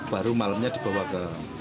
baru malamnya dibawa ke